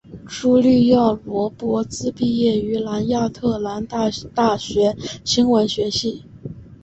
茱莉亚罗勃兹毕业于亚特兰大大学新闻学系。